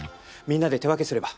みんなで手分けすれば。